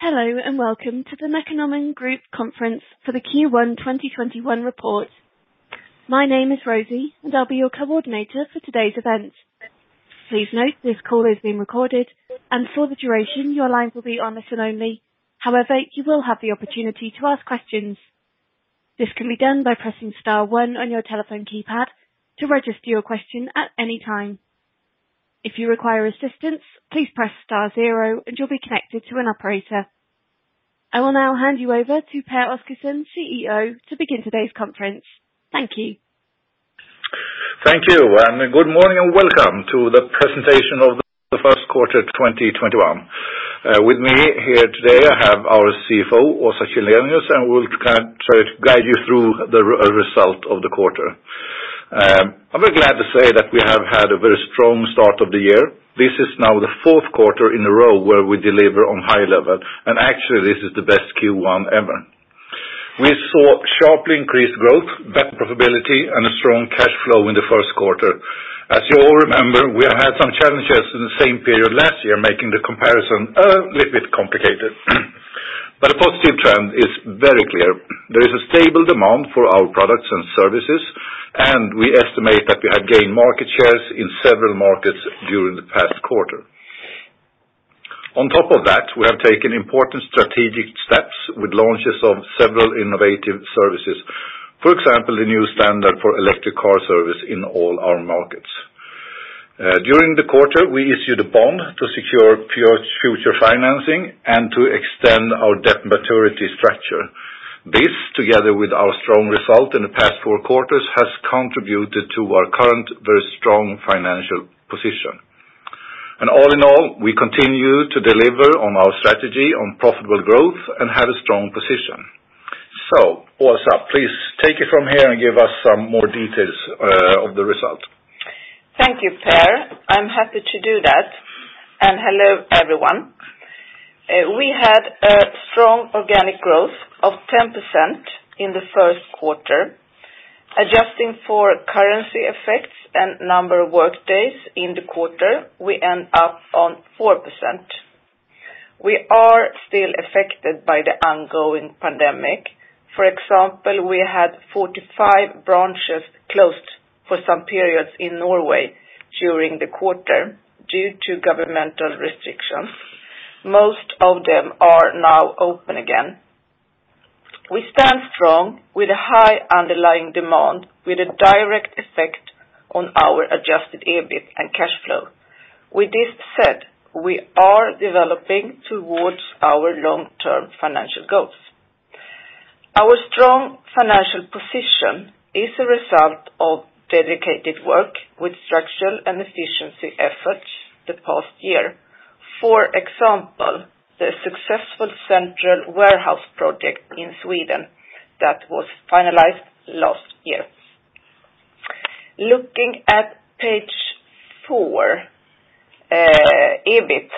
Hello, and welcome to the Mekonomen Group conference for the Q1 2021 report. My name is Rosie, and I'll be your coordinator for today's event. Please note this call is being recorded, and for the duration, your lines will be on listen only. However, you will have the opportunity to ask questions. This can be done by pressing star one on your telephone keypad to register your question at any time. If you require assistance, please press star zero and you'll be connected to an operator. I will now hand you over to Pehr Oscarson, CEO, to begin today's conference. Thank you. Thank you. Good morning and welcome to the presentation of the first quarter 2021. With me here today, I have our CFO, Åsa Källenius. We'll guide you through the result of the quarter. I'm very glad to say that we have had a very strong start of the year. This is now the fourth quarter in a row where we deliver on high level. Actually, this is the best Q1 ever. We saw sharply increased growth, better profitability, and a strong cash flow in the first quarter. As you all remember, we had some challenges in the same period last year, making the comparison a little bit complicated. The positive trend is very clear. There is a stable demand for our products and services. We estimate that we have gained market shares in several markets during the past quarter. On top of that, we have taken important strategic steps with launches of several innovative services. For example, the new standard for electric car service in all our markets. During the quarter, we issued a bond to secure future financing and to extend our debt maturity structure. This, together with our strong result in the past four quarters, has contributed to our current very strong financial position. All in all, we continue to deliver on our strategy on profitable growth and have a strong position. Åsa, please take it from here and give us some more details of the result. Thank you, Pehr. I'm happy to do that, and hello, everyone. We had a strong organic growth of 10% in the first quarter. Adjusting for currency effects and number of workdays in the quarter, we end up on 4%. We are still affected by the ongoing pandemic. For example, we had 45 branches closed for some periods in Norway during the quarter due to governmental restrictions. Most of them are now open again. We stand strong with a high underlying demand with a direct effect on our adjusted EBIT and cash flow. With this said, we are developing towards our long-term financial goals. Our strong financial position is a result of dedicated work with structural and efficiency efforts the past year. For example, the successful central warehouse project in Sweden that was finalized last year. Looking at page four, EBIT,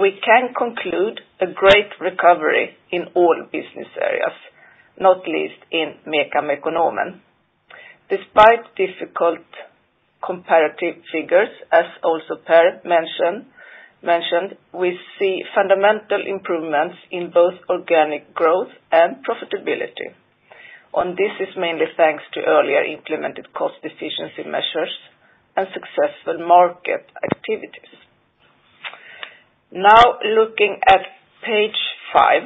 we can conclude a great recovery in all business areas, not least in MECA/Mekonomen. Despite difficult comparative figures, as also Pehr Oscarson mentioned, we see fundamental improvements in both organic growth and profitability, and this is mainly thanks to earlier implemented cost efficiency measures and successful market activities. Looking at page five,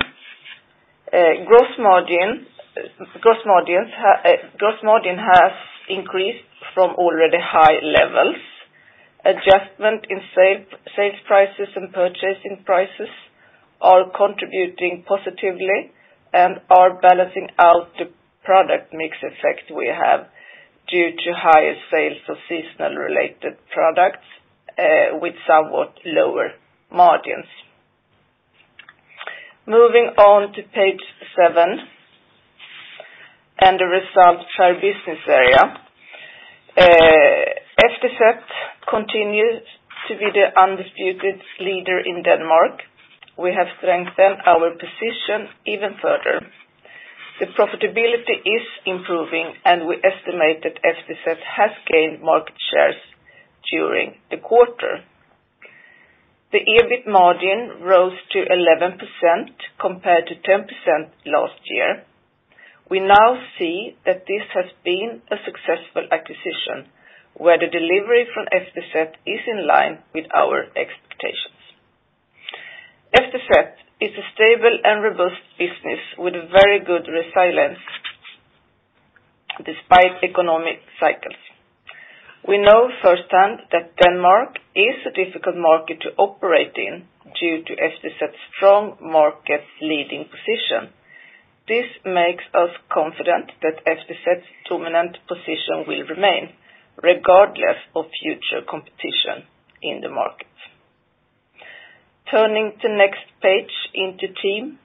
gross margin has increased from already high levels. Adjustment in sales prices and purchasing prices are contributing positively and are balancing out the product mix effect we have due to higher sales of seasonal-related products, with somewhat lower margins. Moving on to page seven and the results by business area. FTZ continues to be the undisputed leader in Denmark. We have strengthened our position even further. The profitability is improving and we estimate that FTZ has gained market shares during the quarter. The EBIT margin rose to 11% compared to 10% last year. We now see that this has been a successful acquisition, where the delivery from FTZ is in line with our expectations. FTZ is a stable and robust business with very good resilience despite economic cycles. We know firsthand that Denmark is a difficult market to operate in due to FTZ's strong market-leading position. This makes us confident that FTZ's dominant position will remain regardless of future competition in the market. Turning to next page, Inter-Team.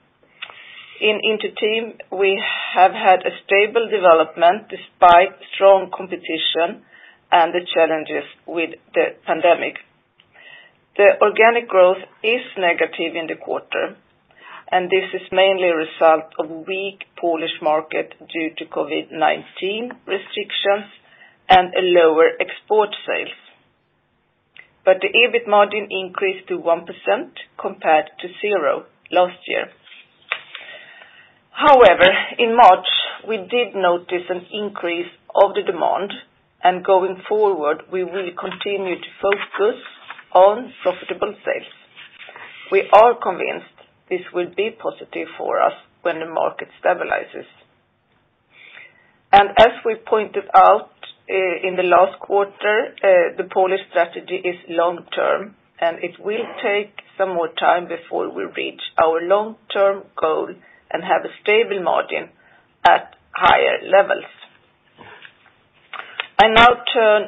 In Inter-Team, we have had a stable development despite strong competition and the challenges with the pandemic. The organic growth is negative in the quarter, and this is mainly a result of weak Polish market due to COVID-19 restrictions and a lower export sales. The EBIT margin increased to 1% compared to zero last year. However, in March, we did notice an increase of the demand, and going forward, we will continue to focus on profitable sales. We are convinced this will be positive for us when the market stabilizes. As we pointed out in the last quarter, the Polish strategy is long-term, and it will take some more time before we reach our long-term goal and have a stable margin at higher levels. I now turn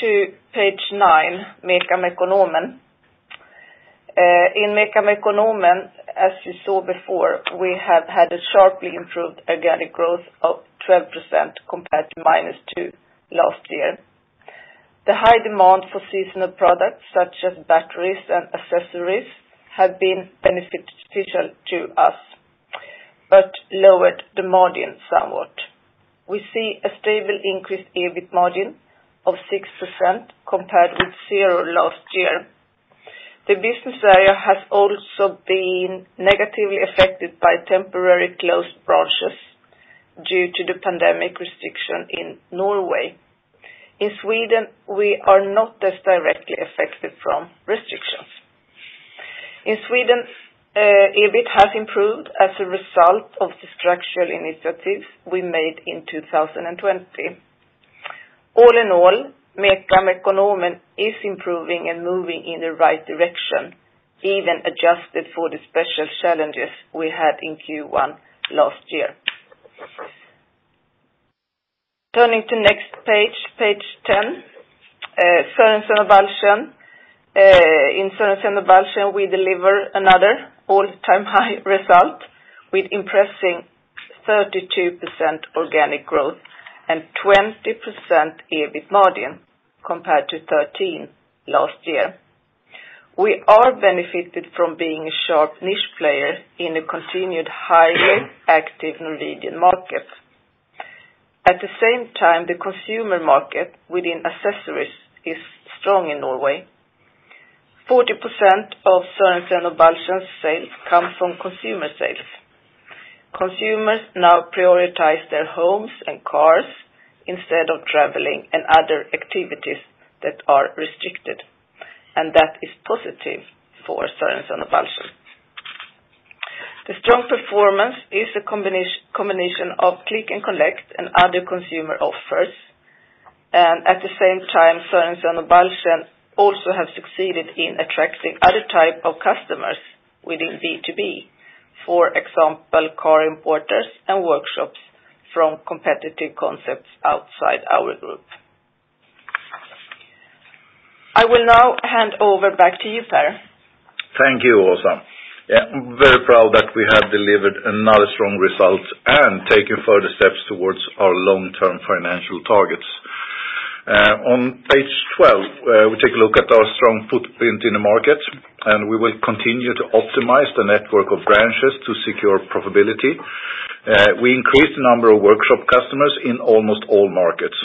to page nine, MECA/Mekonomen. In MECA/Mekonomen, as you saw before, we have had a sharply improved organic growth of 12% compared to minus two last year. The high demand for seasonal products such as batteries and accessories have been beneficial to us but lowered the margin somewhat. We see a stable increased EBIT margin of 6% compared with zero last year. The business area has also been negatively affected by temporary closed branches due to the pandemic restriction in Norway. In Sweden, we are not as directly affected from restrictions. In Sweden, EBIT has improved as a result of the structural initiatives we made in 2020. All in all, MECA/Mekonomen is improving and moving in the right direction, even adjusted for the special challenges we had in Q1 last year. Turning to next page 10, Sørensen og Balchen. In Sørensen og Balchen, we deliver another all-time high result with impressive 32% organic growth and 20% EBIT margin compared to 13% last year. We are benefited from being a sharp niche player in a continued highly active Norwegian market. At the same time, the consumer market within accessories is strong in Norway. 40% of Sørensen og Balchen sales come from consumer sales. Consumers now prioritize their homes and cars instead of traveling and other activities that are restricted. That is positive for Sørensen og Balchen. The strong performance is a combination of click and collect and other consumer offers. At the same time, Sørensen og Balchen also has succeeded in attracting other type of customers within B2B. For example, car importers and workshops from competitive concepts outside our group. I will now hand over back to you, Pehr. Thank you, Åsa. I'm very proud that we have delivered another strong result and taken further steps towards our long-term financial targets. On page 12, we take a look at our strong footprint in the market, and we will continue to optimize the network of branches to secure profitability. We increased the number of workshop customers in almost all markets.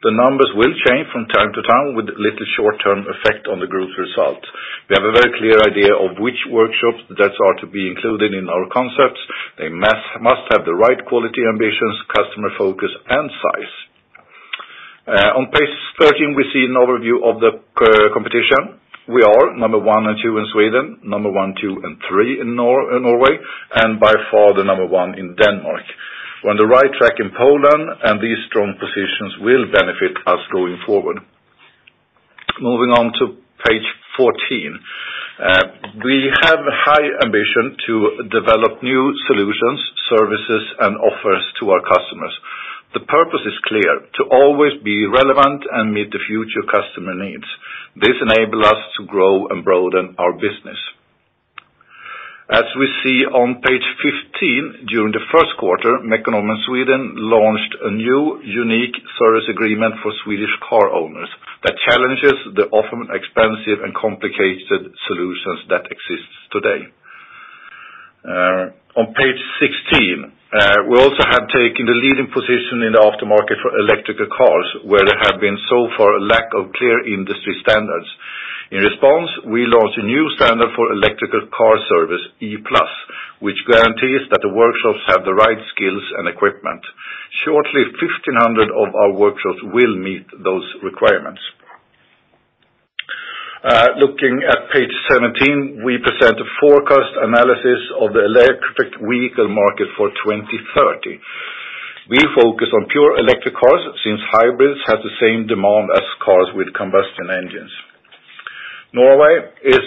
The numbers will change from time to time with little short-term effect on the group's result. We have a very clear idea of which workshops that are to be included in our concepts. They must have the right quality ambitions, customer focus, and size. On page 13, we see an overview of the competition. We are number one and two in Sweden, number one, two and three in Norway, and by far the number one in Denmark. We're on the right track in Poland. These strong positions will benefit us going forward. Moving on to page 14. We have high ambition to develop new solutions, services, and offers to our customers. The purpose is clear, to always be relevant and meet the future customer needs. This enable us to grow and broaden our business. As we see on page 15, during the first quarter, Mekonomen Sweden launched a new unique service agreement for Swedish car owners that challenges the often expensive and complicated solutions that exist today. On page 16, we also have taken the leading position in the aftermarket for electrical cars where there have been so far a lack of clear industry standards. In response, we launched a new standard for electrical car service, E+, which guarantees that the workshops have the right skills and equipment. Shortly, 1,500 of our workshops will meet those requirements. Looking at page 17, we present a forecast analysis of the electric vehicle market for 2030. We focus on pure electric cars since hybrids have the same demand as cars with combustion engines. Norway is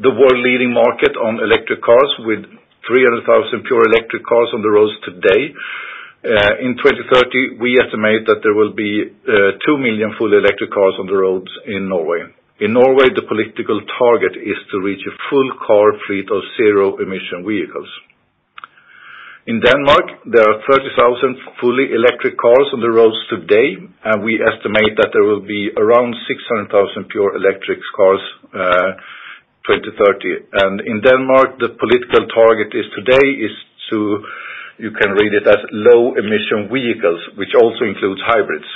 the world leading market on electric cars with 300,000 pure electric cars on the roads today. In 2030, we estimate that there will be 2 million full electric cars on the roads in Norway. In Norway, the political target is to reach a full car fleet of zero emission vehicles. In Denmark, there are 30,000 fully electric cars on the roads today, we estimate that there will be around 600,000 pure electric cars 2030. In Denmark, the political target today is to, you can read it as low emission vehicles, which also includes hybrids.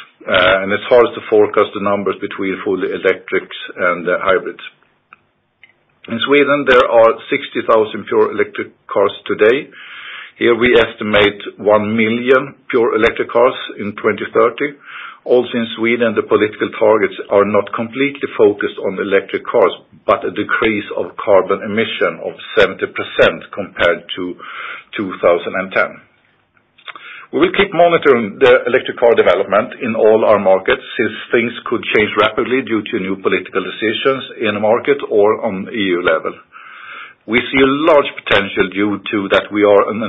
It's hard to forecast the numbers between fully electric and hybrids. In Sweden, there are 60,000 pure electric cars today. Here we estimate 1 million pure electric cars in 2030. Also in Sweden, the political targets are not completely focused on electric cars, but a decrease of carbon emission of 70% compared to 2010. We keep monitoring the electric car development in all our markets, since things could change rapidly due to new political decisions in the market or on EU level. We see a large potential due to that we are an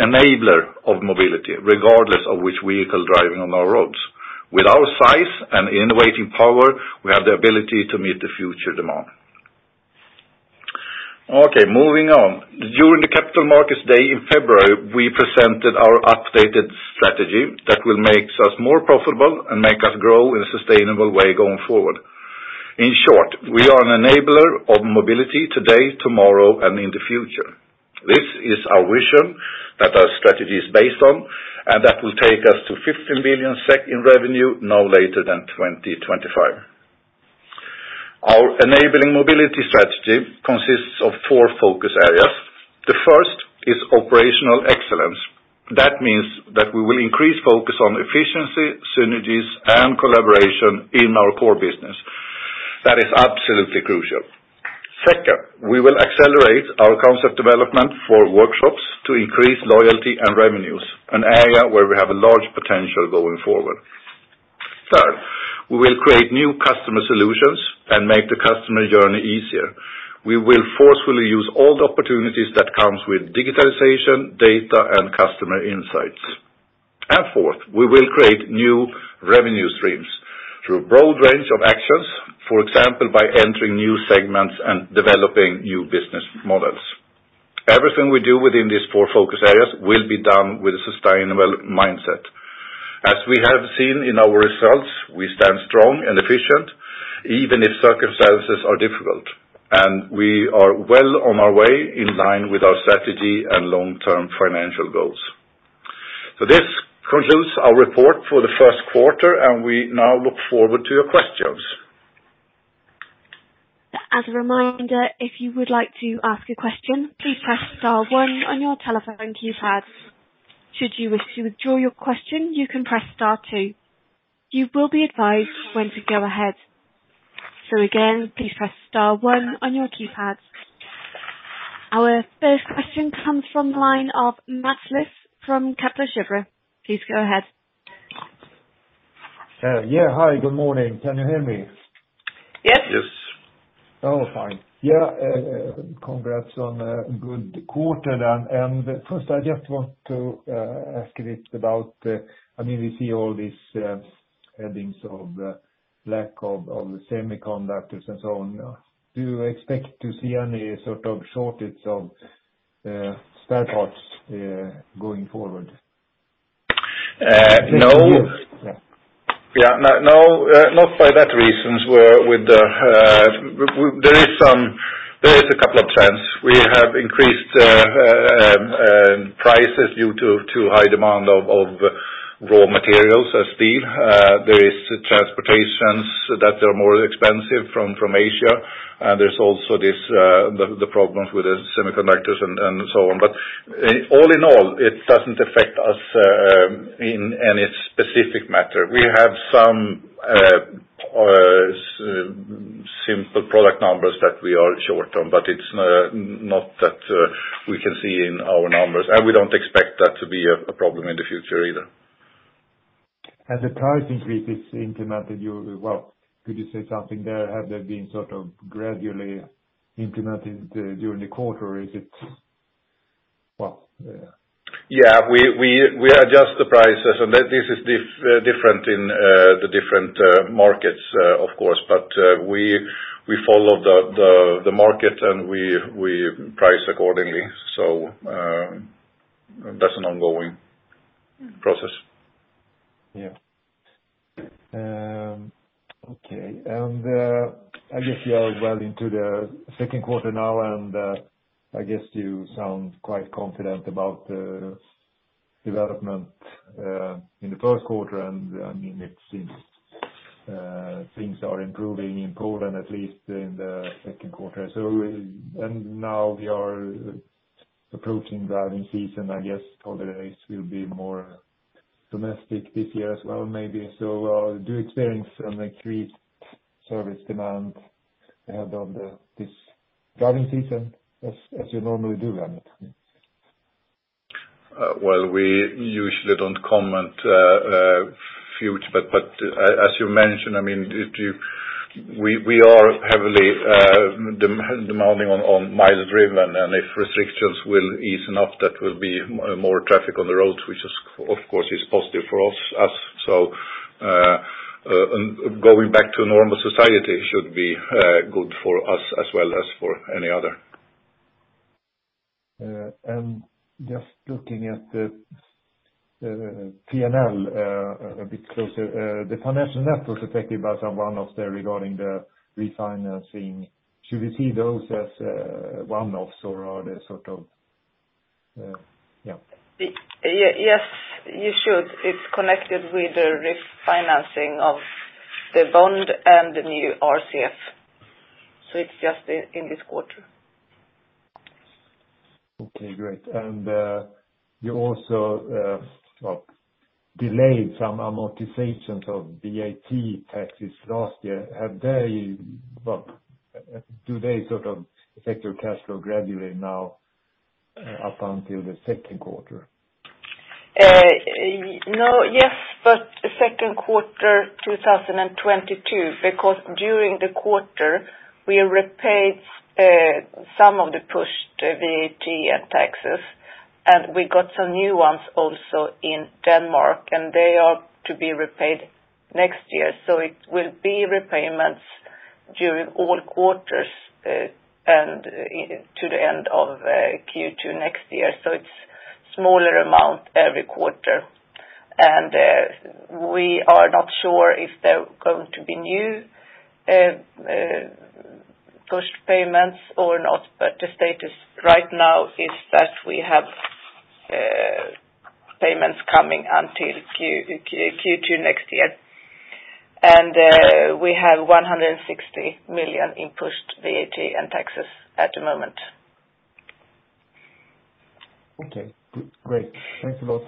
enabler of mobility, regardless of which vehicle driving on our roads. With our size and innovating power, we have the ability to meet the future demand. Okay, moving on. During the Capital Markets Day in February, we presented our updated strategy that will make us more profitable and make us grow in a sustainable way going forward. In short, we are an enabler of mobility today, tomorrow, and in the future. This is our vision that our strategy is based on. That will take us to 15 billion SEK in revenue, no later than 2025. Our enabling mobility strategy consists of four focus areas. The first is operational excellence. That means that we will increase focus on efficiency, synergies, and collaboration in our core business. That is absolutely crucial. Second, we will accelerate our concept development for workshops to increase loyalty and revenues, an area where we have a large potential going forward. Third, we will create new customer solutions and make the customer journey easier. We will forcefully use all the opportunities that comes with digitization, data and customer insights. Fourth, we will create new revenue streams through a broad range of actions, for example, by entering new segments and developing new business models. Everything we do within these four focus areas will be done with a sustainable mindset. As we have seen in our results, we stand strong and efficient, even if circumstances are difficult. We are well on our way in line with our strategy and long-term financial goals. This concludes our report for the first quarter, and we now look forward to your questions. As a reminder, if you would like to ask a question, please press star one on your telephone keypad. Should you wish to withdraw your question, you can press star two. You will be advised when to go ahead. Again, please press star one on your keypad. Our first question comes from the line of Mats Liss from Kepler Cheuvreux. Please go ahead. Yeah. Hi, good morning. Can you hear me? Yes. Oh, fine. Yeah, congrats on a good quarter. First I just want to ask a bit about, we see all these headings of lack of semiconductors and so on. Do you expect to see any sort of shortage of spare parts going forward? No. Yeah. Yeah. No, not for that reasons. There is a couple of trends. We have increased prices due to high demand of raw materials as steel. There is transportations that are more expensive from Asia. There's also the problems with the semiconductors and so on. All in all, it doesn't affect us in any specific matter. We have some simple product numbers that we are short on, but it's not that we can see in our numbers, and we don't expect that to be a problem in the future either. The price increase is implemented, well, could you say something there? Have they been gradually implemented during the quarter? Is it, well, yeah? Yeah, we adjust the prices and this is different in the different markets of course, but we follow the market and we price accordingly. That's an ongoing process. Yeah. Okay. I guess you are well into the second quarter now, and I guess you sound quite confident about the development in the first quarter, and it seems things are improving in Poland, at least in the second quarter. Now we are approaching driving season, I guess holidays will be more domestic this year as well maybe. Do you experience an increased service demand ahead on this driving season as you normally do then? We usually don't comment future, but as you mentioned, we are heavily demanding on miles driven, and if restrictions will ease enough, that will be more traffic on the roads, which of course is positive for us. Going back to a normal society should be good for us as well as for any other. Just looking at the P&L a bit closer, the financial networks affected by some one-offs there regarding the refinancing. Should we see those as one-offs or are they sort of? Yes, you should. It's connected with the refinancing of the bond and the new RCF. It's just in this quarter. Okay, great. You also delayed some amortizations of VAT taxes last year. Do they sort of affect your cash flow gradually now up until the second quarter? Yes, second quarter 2022, because during the quarter, we repaid some of the pushed VAT and taxes, and we got some new ones also in Denmark, and they are to be repaid next year. It will be repayments during all quarters and to the end of Q2 next year. It's smaller amount every quarter. We are not sure if they're going to be new pushed payments or not, but the status right now is that we have payments coming until Q2 next year. We have 160 million in pushed VAT and taxes at the moment. Okay, great. Thanks a lot.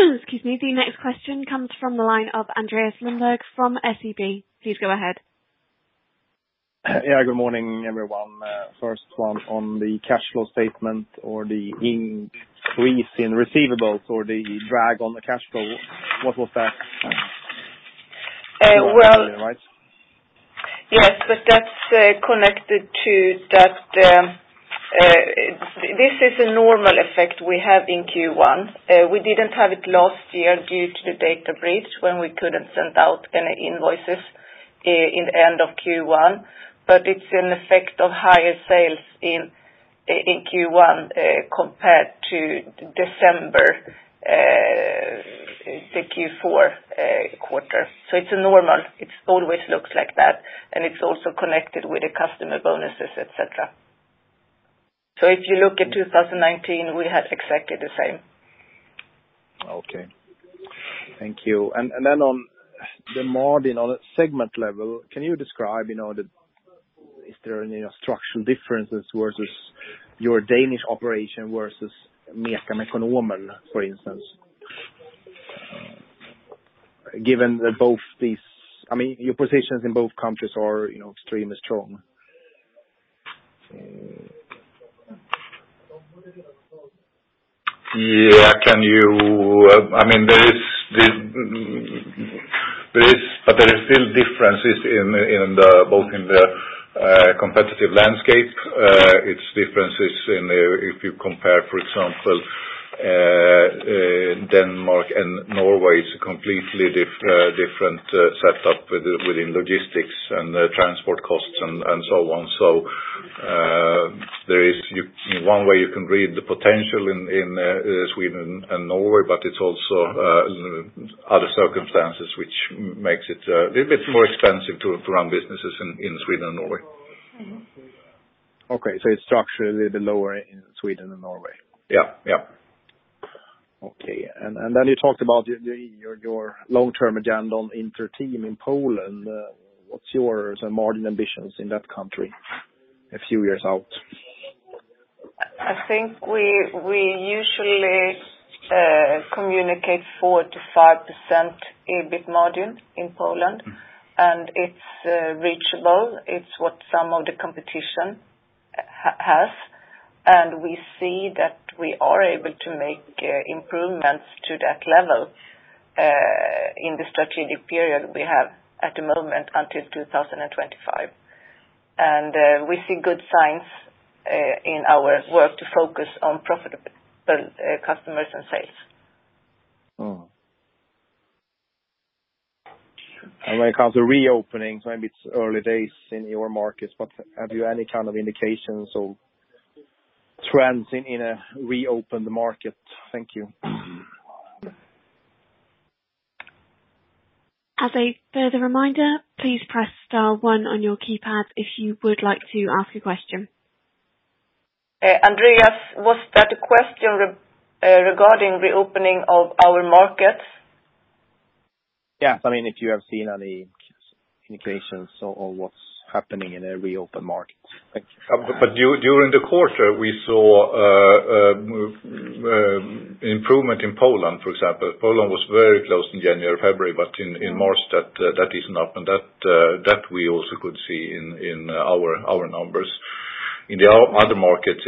Excuse me. The next question comes from the line of Andreas Lundberg from SEB. Please go ahead. Good morning, everyone. First one on the cash flow statement or the increase in receivables or the drag on the cash flow. What was that? Well- Am I right? This is a normal effect we have in Q1. We didn't have it last year due to the data breach when we couldn't send out any invoices in the end of Q1. It's an effect of higher sales in Q1 compared to December, the Q4 quarter. It's normal. It always looks like that. It's also connected with the customer bonuses, et cetera. If you look at 2019, we had exactly the same. Okay. Thank you. Then on the margin on a segment level, can you describe, is there any structural differences versus your Danish operation versus Mekonomen, for instance? Given that your positions in both countries are extremely strong. There is still differences both in the competitive landscape. It's differences in if you compare, for example Denmark and Norway, it's a completely different setup within logistics and transport costs and so on. There is one way you can read the potential in Sweden and Norway. It's also other circumstances which makes it a little bit more expensive to run businesses in Sweden and Norway. Okay, it's structurally a bit lower in Sweden and Norway. Yeah. Okay. You talked about your long-term agenda on Inter-Team in Poland. What's your margin ambitions in that country a few years out? I think we usually communicate 4%-5% EBIT margin in Poland. It's reachable. It's what some of the competition has. We see that we are able to make improvements to that level, in the strategic period we have at the moment until 2025. We see good signs in our work to focus on profitable customers and sales. When it comes to reopenings, maybe it's early days in your markets, but have you any kind of indications or trends in a reopened market? Thank you. As a further reminder, please press star one on your keypad if you would like to ask a question. Andreas, was that a question regarding reopening of our markets? Yeah. If you have seen any indications or what's happening in a reopened market? Thank you. During the quarter, we saw improvement in Poland, for example. Poland was very close in January, February, but in March that has opened. That we also could see in our numbers. In the other markets,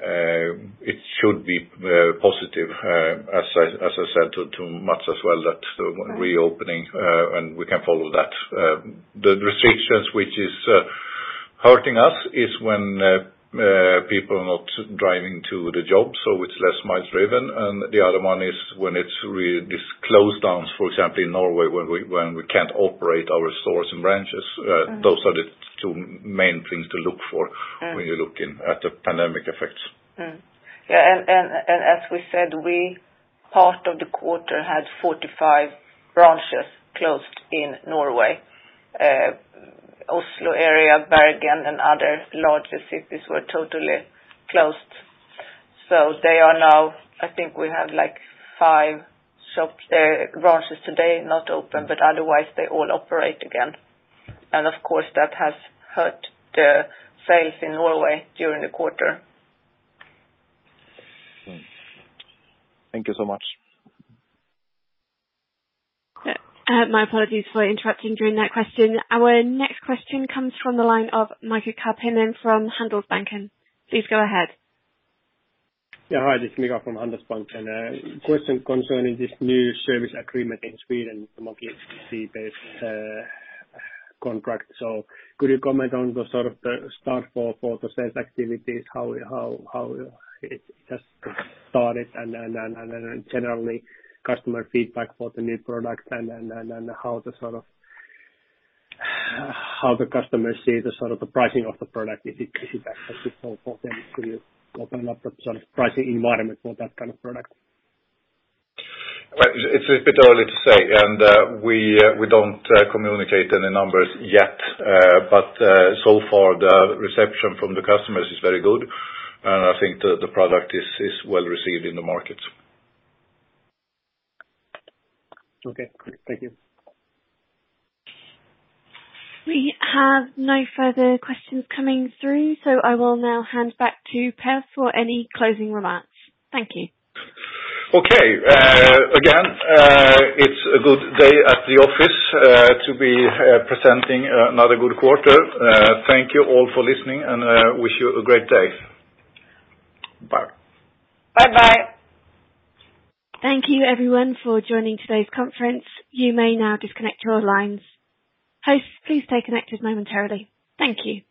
it should be positive, as I said to Mats as well, that reopening, and we can follow that. The restrictions which is hurting us is when people are not driving to the job, so it's less miles driven. The other one is when it's really these closed downs, for example, in Norway, when we can't operate our stores and branches. Those are the two main things to look for. Yeah when you're looking at the pandemic effects. Mm-hmm. Yeah, as we said, we, part of the quarter, had 45 branches closed in Norway. Oslo area, Bergen, and other larger cities were totally closed. They are now, I think we have five branches today not open, but otherwise, they all operate again. Of course that has hurt the sales in Norway during the quarter. Thank you so much. My apologies for interrupting during that question. Our next question comes from the line of Mika Karppinen from Handelsbanken. Please go ahead. Yeah. Hi, this is Mika from Handelsbanken. Question concerning this new service agreement in Sweden, the monthly fee-based contract. Could you comment on the start for the sales activities, how it just started and generally customer feedback for the new product and how the customer see the pricing of the product? Is it accessible for them to open up the sort of pricing environment for that kind of product? It's a bit early to say. We don't communicate any numbers yet. So far, the reception from the customers is very good. I think the product is well-received in the market. Okay, great. Thank you. We have no further questions coming through, so I will now hand back to Pehr Oscarson for any closing remarks. Thank you. Okay. Again, it's a good day at the office to be presenting another good quarter. Thank you all for listening, and wish you a great day. Bye. Bye-bye. Thank you everyone for joining today's conference. You may now disconnect your lines. Hosts, please stay connected momentarily. Thank you.